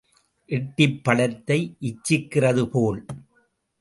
எட்டிப் பழத்தை இச்சிக்கிறது போல்.